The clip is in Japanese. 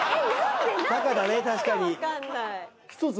バカだね確かに。